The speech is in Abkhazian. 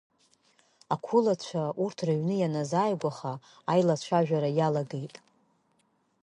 Ақәылацәа урҭ рыҩны ианазааигәаха, аилацәажәара иалагеит.